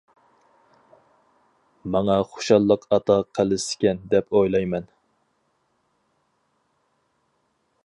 ماڭا خۇشاللىق ئاتا قىلسىكەن دەپ ئويلايمەن.